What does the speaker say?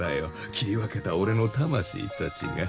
切り分けた俺の魂たちが。